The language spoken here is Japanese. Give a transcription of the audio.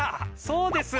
「そうです。